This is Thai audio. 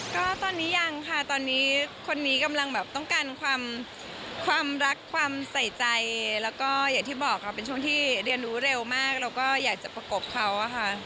ก็ตอนนี้ยังค่ะตอนนี้คนนี้กำลังแบบต้องการความรักความใส่ใจแล้วก็อย่างที่บอกค่ะเป็นช่วงที่เรียนรู้เร็วมากเราก็อยากจะประกบเขาอะค่ะ